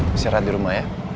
masih rada di rumah ya